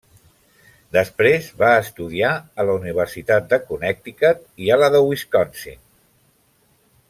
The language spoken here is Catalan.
Després va estudiar a la Universitat de Connecticut i a la de Wisconsin.